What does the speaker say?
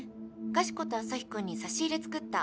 「かしことアサヒくんに差し入れ作った」